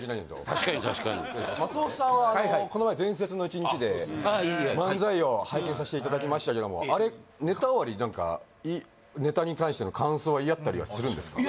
確かに確かに松本さんはこの前「伝説の一日」で漫才を拝見させていただきましたけどもあれネタ終わり何かネタに関しての感想は言い合ったりはするんですか？